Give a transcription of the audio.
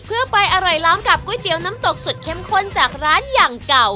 เพื่อไปอร่อยล้อมกับก๋วยเตี๋ยวน้ำตกสุดเข้มข้นจากร้านอย่างเก่า